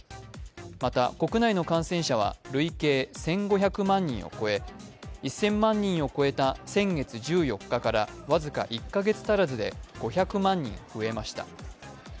また国内の感染者は累計１５００万人を超え、１０００万人を超えた先月１４日から僅か１カ月足らずで５００万人増えました。